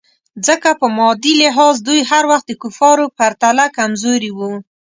ځکه په مادي لحاظ دوی هر وخت د کفارو پرتله کمزوري وو.